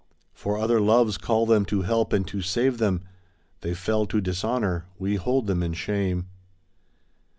For other loves call them to help and to save them ! They fell to dishonour — ^we hold them in shame.